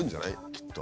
きっと。